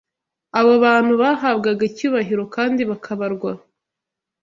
Abo bantu bahabwaga icyubahiro kandi bakabarwa